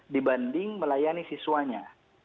dibanding melayani siswanya